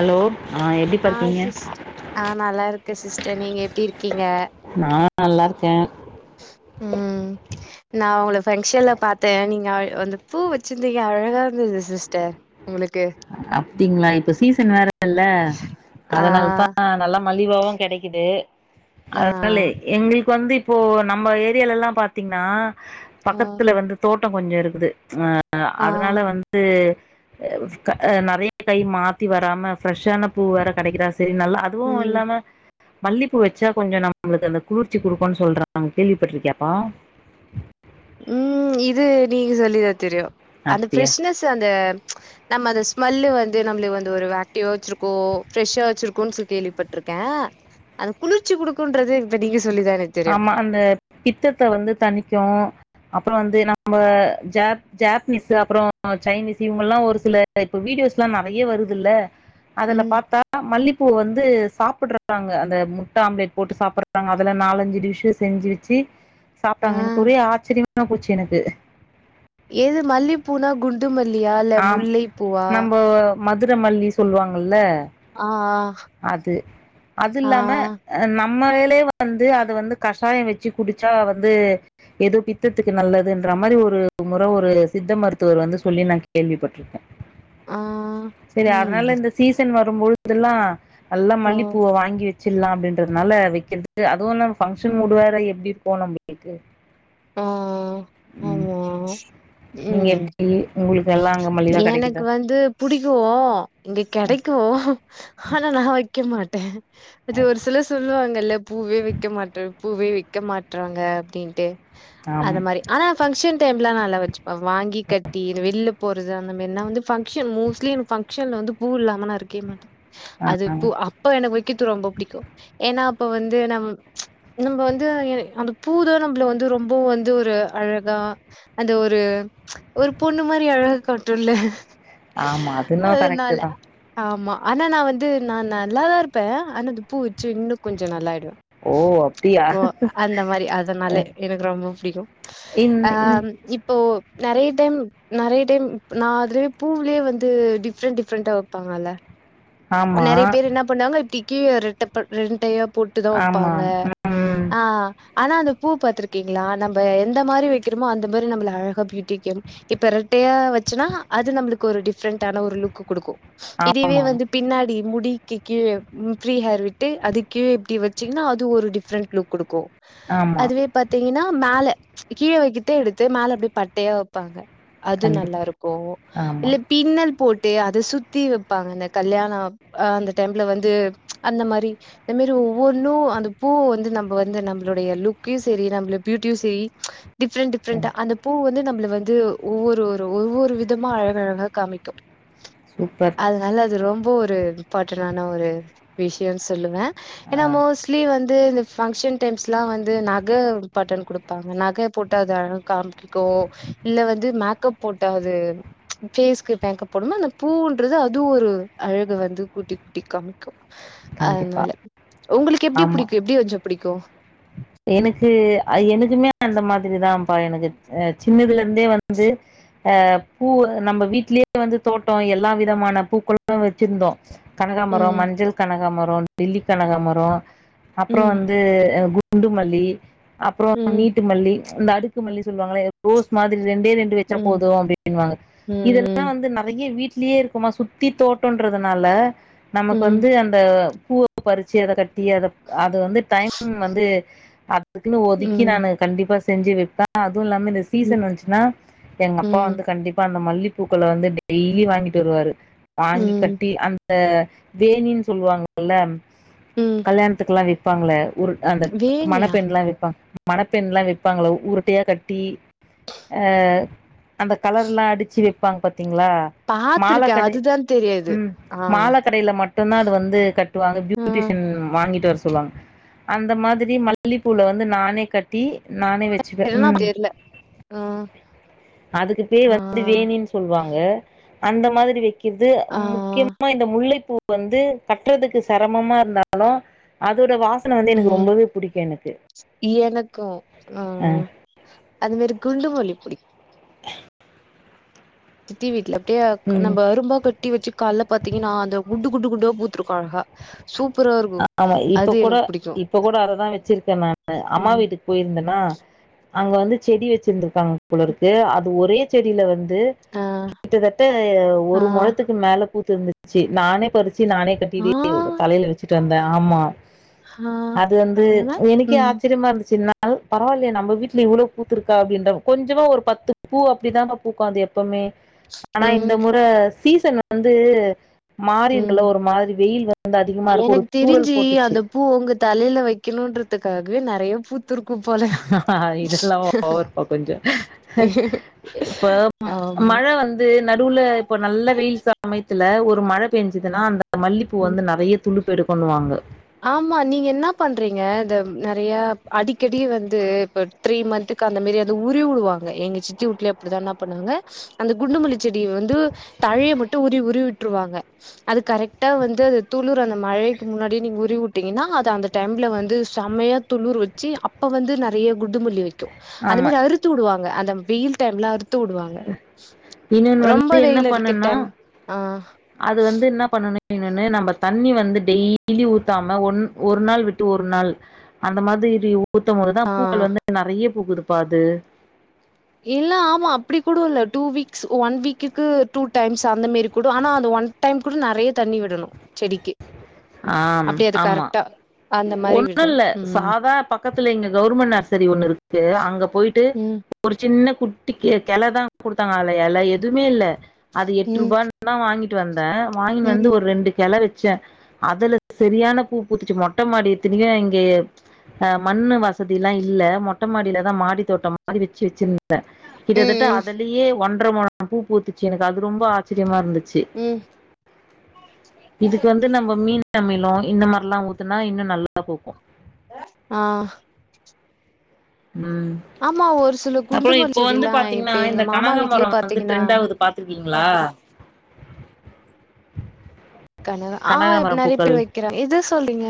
Hello ஆ எப்படிப்பா ஆ இருக்கீங்க சிஸ்ட் ஆ நல்லா இருக்க சிஸ்டர் நீங்க எப்டி இருக்கீங்க நா நல்லா இருக்கே ம் நா உங்கள ஃபங்க்ஷன்ல பாத்தே நீங்க அந்த பூ வச்சுருந்தீங்க அழகா இருந்தது சிஸ்டர் உங்களுக்கு அப்படிங்ளா இப்ப சீசன் வேற இல்ல ஆ அதனால தா நல்லா மலிவாவு கெடைக்குது ஆ அதனாலே எங்ளுக்கு வந்து இப்போ நம்ம ஏரியாலல்லா பாத்தீங்ன்னா ஆ பக்கத்துல வந்து தோட்டோ கொஞ்சோ இருக்குது அ ஆ அதனால வந்து அ க நெறைய கை மாத்தி வராம ஃப்ரெஷ்ஷான பூ வேற கெடைக்குதா சரி நல்லா அதுவு ம் இல்லாம மல்லிப்பூ வச்சா கொஞ்சோ நம்ளுக்கு அந்த குளிர்ச்சி குடுக்குன்னு சொல்றாங்க கேள்விப்பட்ருக்கியாப்பா ம் இது நீங்க சொல்லிதா தெரியு அந்த அப்படியா பிரஷனஸ் அந்த நம்ம அந்த ஸ்மெல்லு வந்து நம்ள வந்து ஒரு ஆக்டிவா வச்சிருக்கோ ஃப்ரெஷ்ஷா வச்சிருக்கோன் சொல் கேள்விப்பட்ருக்கே அந்த குளிர்ச்சி குடுக்குன்றது இப்ப நீங்க சொல்லிதா எனக் ஆமா அந்த பித்தத்த வந்து தணிக்கு அப்புறோ வந்து நம்ம ஜப் ஜப்னீஸூ அப்புறோ சைனீஸூ இவங்க எல்லா ஒரு சில இப்ப வீடியோஸ்லா நெறைய வருதுல்ல அதுல ம் பாத்தா தா மல்லிப்பூ வந்து சாப்புட்றாங்க அந்த முட்ட ஆம்லேட் போட்டு சாப்புட்றாங்க அதுல நாலஞ் டிஸ்ஸ செஞ்சு வச்சு சாப்ட்டாங்க எனக்கு ஆ ஒரே ஆச்சரியமா போச்சு எனக்கு எது மல்லிப்பூனா குண்டு மல்லியா இல்ல முல்லைப்பூவா மதுரமல்லி சொல்வாங்கல்ல ஆ ஆ அது அது இல்லாம அ நம்மலேலே வந்து அது வந்து கஷாயோ வச்சு குடிச்சா வந்து ஏதோ பித்தத்துக்கு நல்லதுன்ற மாரி ஒரு முற ஒரு சித்த மருத்துவர் வந்து சொல்லி நா கேள்விப்பட்ருக்கே ஆ ஆ செரி அதனால ம் இந்த சீசன் வரும்போதெல்லா நல்லா ஓ மல்லிப்பூவ வாங்கி வச் சிட்லா அப்டின்றதுனால வைக்கிறது அதுவு நம்ம பங்க்ஷன் முடு வேற எப்டி இருக்கு நம்ளுக்கு ஆ ம் ஆமா நீங்க ம் எப்டி உங்ளுக்கு எல்லா அங்க மலிவா கெடைக்குதா புடிக்கோ இங்க கெடைக்கோ ஆனா நா வைக்க மாட்டே அது ஒரு சிலர் சொல்லுவாங்கல்ல பூவே வைக்க மாட்டே பூவே வைக்க மாட்றாங்க அப்டின்ட்டு ஆம் அது மாரி ஆனா பங்க்ஷன் டைம்ல நல்லா வச்சுப்பே வாங்கி கட்டி வெள்ல போறது அந்த மாரினா வந்து பங்க்ஷன் மோஸ்ட்லி பங்க்ஷன்ல வந்து பூ இல்லாம நா இருக்கே மாட்டே அது பூ அப்ப எனக்கு வைக்கற்து ரொம்ப பிடிக்கு ஏனா அப்ப வந்து நம் நம்ம வந்து ஏ அந்த பூதா நம்ள வந்து ரொம்போ வந்து ஒரு அழகா அந்த ஒரு ஒரு பொண்ணு மாரி அழகா காட்டுல்ல ஆமா அதுன்னா கரெக்ட் அதனால தா ஆமா ஆனா நா வந்து நா நல்லாதா இருப்பே ஆனாது பூ சின்னு கொஞ்சோ நல்லாயிடுவே ஓ அப்டியா ஓ அந்த மாரி அதுனாலே எனக்கு ரொம்ப பிடிக்கு இன் அ இன் இப்போ நெறய டைம் நெறைய டைம் நா அதுலே பூவுலே வந்து டிஃப்ரெண்ட் டிஃப்ரெண்ட்டா வப்பாங்கல்ல ஆமா நெறைய பேர் என்ன பண்ணுவாங்க இப்டிக்கு ரெட்டப ரெட்டையா போட்டுதா ஆமா வப்பாங்க ம் அஆ ஆனா அந்த பூ பாத்ருக்கீங்ளா நம்ப எந்த மாரி வைக்கிறமோ அந்த மாரி நம்மள அழகா பியூட்டிக்கும் இப்ப ரெட்டையா வச்சோனா அது நம்ளுக்கு ஒரு டிஃப்ரெண்டான ஒரு லுக்கு குடுக்கு இதுவே ஆமாம் வந்து பின்னாடி முடி க்கு கீழ ம் ஃப்ரீ ஹேர் விட்டு அது கிழ இப்டி வச்சீங்கன்னா அது ஒரு டிஃப்ரெண்ட் லுக் குடுக்கு ஆமா அதுவே பாத்தீங்கன்னா மேல கீழ வெக்கத்தே எடுத்து மேல அப்டியே பட்டையா வப்பாங்க அது கண்டிப்பா நல்லா இருக்கு ஆமா இல்ல பின்னல் போட்டு அத சுத்தி வெப்பாங்க இந்த கல்யாண அ அந்த டைம்ல வந்து அந்த மாரி இந்த மேரி ஒவ்வொன்னு அந்த பூ வந்து நம்ம வந்து நம்மளுடைய லுக்கையு செரி நம்மளோட பியூட்டியு செரி டிஃப்ரெண்ட் ம் டிஃப்ரெண்டா அந்த பூ வந்து நம்மள வந்து ஒவ்வொரு ஒரு ஒவ்வொரு விதமா அழக அழகாக காமிக்கு சூப்பர் அதனால அது ரொம்ப ஒரு இம்பார்ட்டான ஒரு விஷயன்னு சொல்லுவே ஏன்னா ஆ மோஸ்ட்லி வந்து இந்த பங்க்ஷன் டைம்ஸ்லா வந்து நக இம்பாட்டன் குடு ப்பாங்க நக போட்டாது அழகா காமிக்கு இல்ல வந்து மேக்கப் போட்டா அது ஃபேஸ்க்கு மேக்கப் போட்டோனா அந்த பூவுன்றது அதுவு ஒரு அழகு வந்து கூட்டி கூட்டி காமிக்கு கண்டிப்பா அதனால உங்களுக்கு எப்டி புடிக்கு எப்டி வெச்சா புடிக்கு எனுக்கு எனுக்குமே அந்த மாதரிதாப்பா எனக்கு அ சின்னுதுல இந்தே வந்து ஆ பூ நம்ம வீட்லியே வந்து தோட்டோ எல்லா விதமான பூக்களு வெச்சிருந்தோ கனகாமரோ ம், மஞ்சள் கனகாமுரோ டெல்லி கனகாமுரோ அப்றோ ம், வந்து குண்டு மல்லி அப்றோ ம், நீட்டு மல்லி இந்த அடுக்கு மல்லி சொல்லுவாங்கள ரோஸ் மாதிரி ரெண்டே ரெண்டு வெச்சா ம், போது அப்டின்னுவாங்க ம், இதெல்லா ம், வந்து நெறைய வீட்லயே இருக் குமா சுத்தி தோட்டன்றதுனால நமக்கு ம், வந்து அந்த பூ பறிச்சு அத கட் டி அத அது வந்து டைம் வந்து அதுக்குன்னு ஒதுக்கி ம், நானு கண்டிப்பா செஞ்சு வெப்ப அதுவு இல்லாம இந்த சீசன் வந்சுன்னா எங்க அப்பா ம், வந்து கண்டிப்பா அந்த மல்லிப்பூக்கள வந்து டெய்லி வாங்கிட்டு வருவாரு வாங்கி ம், கட்டி அந்த வேணின்னு சொல்லுவாங்கல்ல ம் கல்யாணத்துக்குளா விப்பாங்களே ஒரு அந்த வேணியா? வெப்பாங்க மணப்பெண்லா வெப்பாங்கள உருட்டையா கட்டி அ அந்த கலர்லா அடிச்சு வெப்பாங்க பாத்தீங்களா பாத்துருக்கேன். மாலக்கடை அதுதான் தெரியாது. ம் ஆ, மால கடைல மட் டு்தா அது வந்து கட்டுவாங்க ஆ. பியூட்டிஷன் வாங்கிட்டு வர சொல்லுவாங்க அந்த மா திரி மல்லிப்பூல வந்து நானே கட்டி நானே வச் சுப்பே என்னன்னா ம் தெரியல. ஆ, அதுக்கு பேர் ஆ, வந்து வேணினு சொல்வாங்க அந்த மாதிரி வெக்கிற்து ஆ, முக்கியமா இந்த முல்லைப்பூ வந்து கட்றதுக்கு செரமமா இருந்தாலு அதோட வாசன வந்து எனக்கு ரொம்பவே புடிக்கும் எனக்கு எனக்கு அ அது மேரி குண்டுமல்லி புடிக்கு சித்தி வீட்ல அப்டியே ம் நம்ம ரொம்ப கட்டி வச்சு கால்ல பாத்தீங்கனா அந்த குண்டு குண்டு குண்டா பூத்துருக்கு அழகா சூப்பரா இருக்கும். ஆமா இப்ப அது கூட எனக்கு பிடிக்கும். இப்ப கூட அததா வச்சிருக்கே நானு அம்மா ம். வீட்டுக்கு போய்ருந்தன்னா அங்க வந்து செடி வச்சிருந்திருக்காங்க போலருக்கு அது ஒரே செடில வந்து ஆ, கிட்டத்தட்ட ஆ, ஒரு மொலத்துக்கு மேல பூத்திருந்துச்சு நானே பறிச்சு நானே கட்டி ஆ. தலைல வச்சுட்டு வந்தே ஆமா ஆ அது வந்து அதனால எனுக்கே ம் ஆச்ச யமா இருந்துச்ன்னா பரவால்லியே நம்ம வீட்லயே இவ்ளோ பூத்துருக்கா அப்டின்ற கொஞ்சமா ஒரு பத்து பூ அப்டித்தாங்க பூக்கோ அது எப்பமே ஆனா இந்த ம் மொற சீசன் வந்து மாறீர்கள ம் ஒரு மாரி வெயில் வந்து அதிகமா இருக் எனக்கு தெரிஞ்சு அந்த பூ ஒங்க தலைல வைக்கணுன்றதுக்காகவே நெறைய பூத் ஆ இதெல்லா ஓவருப்பா கொஞ்ச இப்ப ஆமா மழ வந்து நடுவுல இப்ப நல்ல வெயில் சமயத்துல ஒரு மழ பெஞ்சதுனா அந்த மல்லிப்பூ ம் வந்து நெறய துலுப்பு எடுக்குன்னுவாங்க ஆமா நீங்க என்ன பண்றீங்க இத நெறைய அடிக்கடி வந்து இப்ப த்ரீ மந்த்துக்கு அந்த மாரி அத உருவி வுடுவாங்க எங்க சித்தி வுட்ல அப்டிதா என்னா பண்ணுவாங்க அந்த குண்டுமல்லி செடி வந்து தழையை மட்டு உருவி உருவி விட்டுருவாங்க அது கரெக்டா வந்து அது துளுர் அந்த மழைக்கு முன்னாடி நீங்க உ ருவி வுட்டீங்கனா அது அந்த டைம்ல வந்து செம்மையா துளுர் வச்சு அப்ப வந்து நெறைய குண்டுமல்லி வெக்கு அந்த ஆமா. மாரி அறுத்து வுடுவாங்க அந்த வெயில் டைம்ல அறுத் த்து வுடுவாங்க இன்னொன்னு ரொம்ப வந்து என்ன வெயில் அடிக்க பண்ணுன்னா டைம் ஆ அது வந்து ன்னா பண்ணனு இன்னொன்னு நம்ம தண்ணி வந்து டெய்லி ஊத்தாம ஒன் ஒரு நாள் விட்டு ஒரு நாள் அந்த மாதிரி ஊத்தம் போதுதா பூக்கள் வந்து நெறைய பூக்குது பா அது இல்ல ஆமா அப்டி கூட இல்ல டூ வீக்ஸ் ஒன் வீக்குக்கு டூ டைம்ஸ் அந்த மேரி கூட ஆனா அது ஒன் டைம் கூட நெறைய தண்ணி விடணு செடிக்கி ஆம் ஆமா அந்த மாரி ஒண்ணு விடணு இல்ல ம் சாதா பக்கத்துல இங்க கவுர்மெண்ட் நர்சரி ஒண்ணு இருக்கு அங்க போயிட்டு ம் ஒரு சின்ன குட்டி கெளதா குடுத்தாங்க அல இல எதுவுமே இல்ல அது எட்டு ம் ரூபான் ன வாங்கிட்டு வந்தே வாங்கின்னு வந்து ம் ஒரு ரெண்டு கெள வெச்சே அதல செரியான பூ பூத்துச்சு மொட்ட மாடி இத்தினுக்கு எங்க அ மண்ணு வசதிலா இல்ல மொட்ட மாடியிலதா மாடி தோட்டோ மாரி வெச்சி வெச்சிந் த ம் கிட்டத்தட்ட ம் அதுலயே ஒன்ற மொளம் பூ பூத்துச்சு எனக்கு அது ரொம்ப ஆ ச்சிரியமா இருந்துச்சி ம் இதுக்கு வந்து நம் ப்ப மீன் அமிலோ இந்த மாரிலா ஊத்துனா இன்னு நல்லா பூக்கு ஆ ம் ஆமா ஒரு சில அப்புறோ குண்டுமல்லி இப்போ வந்து செடில்லா இப்ப பாத்தீங்னா எங்க இந்த மாமா கனகா வீட்லயே மரோ வந்து பாத்தீங்கன்னா ட்ரெண்ட் ஆவுது பாத் தீங்ளா கனகா ஆ இப் நெறைய பேர் வெக்கிறாங்க எது சொல்லீங்க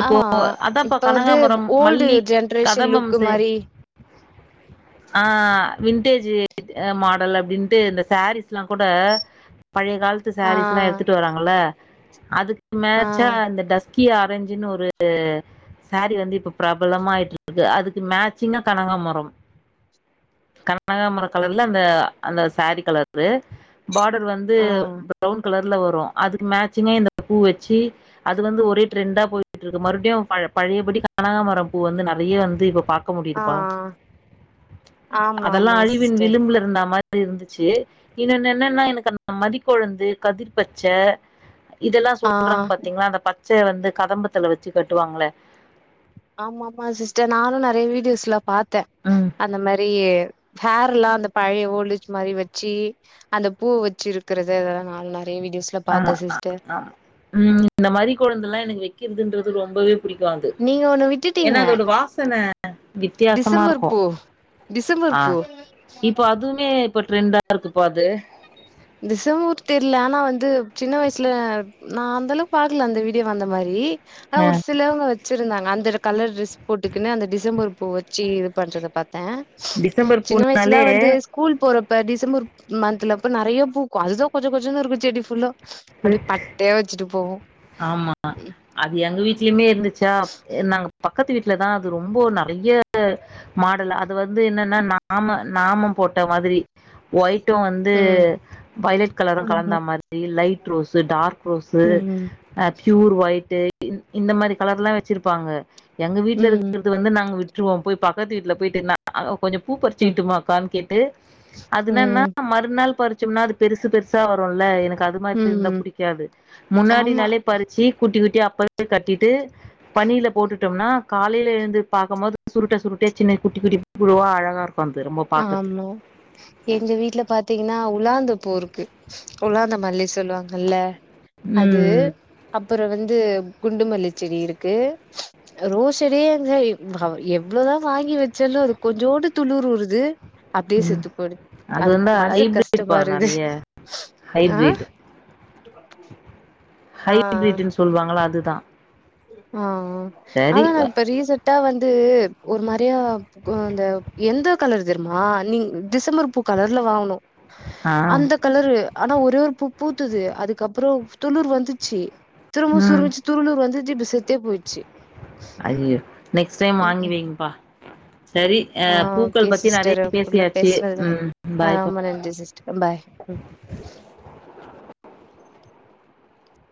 இப்போ ஆமா அதான்ப்பா இப்ப வந்து கனகாமரம் ஓல்டு மல்லி ஜென்ரேஷன் கதம்பம் லுக் சே மாரி ஆ விண்டேஜு மாடல் அப்டின்ட்டு இந்த ஷேரீஸ்லா கூட பழைய காலத்து ஆ ஷாரீஸ்லா எடுத்துட்டு வராங்கள அதுக்கு ஆ மேச்சா இந்த டஸ்கி ஆரஞ் ஜின்னு ஒரு ஷேரீ வந்து இப்ப பிரபலமா ஆயிட்டு இருக்கு அதுக்கு மேச்சிங்கா கனகா மரம் கனகாமரோ கலர்ல அந்த அந்த ஷேரீ கலரு பாடர் வந்து ஆ ஃப்ரௌன் கலர் ல வரு அதுக்கு மேச்சிங்கா இந்த பூ வெச்சி அது வந்து ஒரே ட்ரெண்டா போய் ட்டு இருக்கு மறுபடியு பழ பழையபடி கனகா மரோ பூ வந்து நெறைய வந்து இப்ப பா க்க ஆ முடியுதுபா ஆமா அதெல்லா ஆமா அழிவின் சிஸ்டர் விளிம்புல இருந்தா மாரி இருந்துச்சு இன்னொன்னு என்னன்னா எனுக் அந்த மரிக்கொழுந்து கதிர் பச்ச இதெல்லா ஆ சொல்றாங்க பாத்தீங்ளா அந்த பச்ச வந்து கதம்பத்துல வச்சு கட்டுவாங்களே ஆமா ஆமா சிஸ்டர் நானு நெறைய வீடியோஸ்ல பாத்த ம் அந்த மாரி ஹேர்லா அந்த பழைய ஓல்டேஜ் மாரி வெச்சி அந்த பூவு வெச்சு இருக்கறது அதெல்லா நானு நெறைய வீடியோஸ் ஆமா அ அ ம் இந்த மரிகொழுந்துலா எனக்கு வெக்கிறதுன்றது ரொம்பவே புடிக்கு அது நீங்க ஒண்ணு விட்டுட்டீங்க ஏனா அதோட வாசன வித்தியாசமா டிசம்பர் இருக்கு பூ டிசம்பர் ஆ பூ இப்போ அதுமே இப்ப ட்ரெண்டா இருக்குப்பா அது திசமு தெர்ல ஆனா வந்து சின்ன வயசுல நா அந்த அளவுக்கு பாக்கல அந்த வீடியோவ அந்த மாரி ஆனா ஒரு சிலவங்க வச் சிருந்தாங்க அந்த கலர் ட்ரெஸ் போட்டுக்குன்னு அந்த டிசம்பர் பூ வச்சு இது பண்றத பாத்த டிசம்பர் பூனாலே ஸ்கூல் போறப்ப டிசம்பர் மந்த்ல அப்ப நெறைய பூக்கு அதுதா கொச்ச கொச்சன்னு இருக்கு செடி ஃபுல்லா அப்டே பட்டயா வச்சுட்டு போவோ ஆமா அது எங்க வீட்லயுமே இருந்துச்சா நாங்க பக்கத்து வீட்ல தா அது ரொம்போ நறைய மாடல் அது வந்து என்னன்னா நாம நாமம் போட்ட மாதிரி ஒயிட்டு வந்து ம் வைலட் கலரு கலந்த ம் மாதிரி லைட் ரோஸு டார்க் ரோஸு ம் அ ப்யூர் ஒயிட்டு இ இந்த மாரி கலர்லா வச்சிருப்பாங்க எங்க வீட்ல ம் இருக்கறது வந்து நாங்க விட்ருவோ போய் பக்கத்து வீட்ல போய்ட்டு நா ஆ கொஞ்ச பூ ம் பறிச்சுக்கிட்டுமா அக்கான்னு கேட்டு அது என்னா ம் மறுநாள் பறிச்சோம்னா அது பெருசு பெருசா வருல்ல எனக்கு அது மாதிரி இருந்தா ம் புடிக்காது முன்னாடி ஆமா நாளே ச்சி குட்டி குட்டியா அப்ப [inaudible] கட்டிட்டு பனில போட்டுட்டம்னா காலைல எழுந்து பாக்கும்போது சுருட்டை சுருட்டையா சின்ன குட்டி குட்டி பூ வா அழகா இருக்கு ப திரும்ப ஆமா எங்க வீட்ல பாத்தீங்கன்னா உலாந்துப்பூ இருக்கு உலாந்த மல்லி சொல்லுவாங்கல்ல அது ம் அப்புற வந்து குண்டுமல்லி செடி இருக்கு ரோஸ்ஷடே எங்க எவ்ளோதா வாங்கி வச்சாலு அது கொஞ்சோன்டு துளிர் உடுது அப்டியே ம் செத்து போயிடுது அது அதுக்கு வந்தா மனசு கஷ்டமா ஹைபெர்ட்ப்பா இருக்குது நெறைய ஆ ஹைபீரிட் ஆ ஹைபீரீட்ன்னு சொல்லுவாங்கள அதுதா ஆ ஆ சரி அதா நா இப்ப ரீசன்டா வந்து ஒரு மாரியா ம் அந்த எந்த கலர் தெரிமா நீங் டிசம்பர் பூ கலர்ல வாங்கணு ஆ அந்த கலரு ஆனா ஒரே ஒரு பூத்துது அதுக்கப்புறோ துளிர் வந்துச்சு திரும்ப ம் சுறுங்குச்சு துளுர் வந்துச்சு இப்ப செத்தே போய் ஐயோ நெக்ஸ்ட் டைம் ம் வாங்கி ம் வைங்கப்பா சரி அ ஆ ஓகே பூக்கள் பத்தி சிஸ்டர் நெறைய குள்ள பேசியாச்சு பேசுறது ம் ஆ பாய்ப்பா ரொம்ப நன்றி சிஸ்டர் பாய்